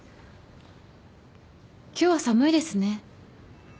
今日は寒いですね。